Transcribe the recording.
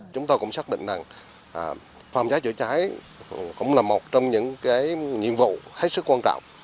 chúng tôi cũng xác định rằng phòng cháy chữa cháy cũng là một trong những nhiệm vụ hết sức quan trọng